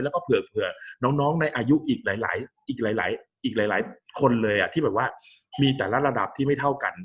แล้วก็เผื่อน้องในอายุอีกหลายคนเลยที่แบบว่ามีแต่ละระดับที่ไม่เท่ากัน